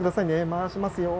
回しますよ。